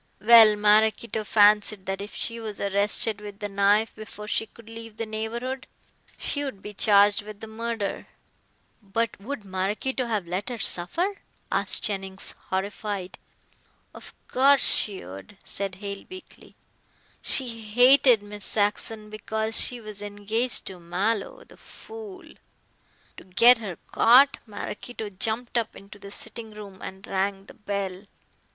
Well, Maraquito fancied that if she was arrested with the knife before she could leave the neighborhood she would be charged with the murder." "But would Maraquito have let her suffer?" asked Jennings, horrified. "Of course she would," said Hale weakly, "she hated Miss Saxon because she was engaged to Mallow, the fool. To get her caught, Maraquito jumped up into the sitting room and rang the bell."